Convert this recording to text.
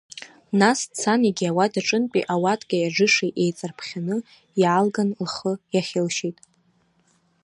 Нас дцан егьи ауадаҿынтәи ауаткеи аџыши еиҵарԥхьаны иаалган, лхы иахьылшьит.